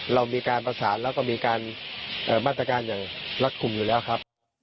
เรามีการประสานแล้วก็มีการมาตรการอย่างรัฐกลุ่มอยู่แล้วครับ